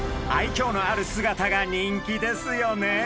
愛きょうのある姿が人気ですよね。